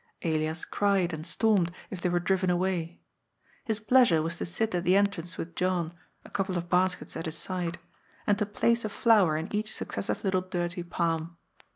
Elias cried and stormed, if they were driven away. His pleasure was to sit at the entrance with John, a couple of baskets at his side, and to place a flower in each suc cessive little dirty palm.